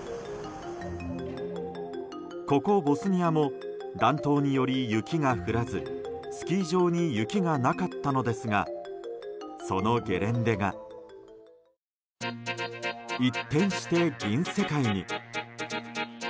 ここ、ボスニアも暖冬により、雪が降らずスキー場に雪がなかったのですがそのゲレンデが一転して、銀世界に。